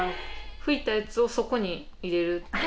拭いたやつをそこに入れる？